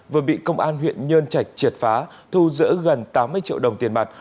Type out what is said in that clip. vừa bị công an huyện nhơn trạch triệt phá thu giữ gần tám mươi triệu đồng tiền mặt